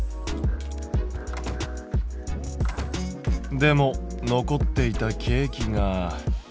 でも残っていたケーキが。